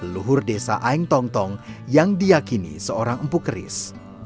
luhur desa aeng tongtong yang diakini seorang empu keris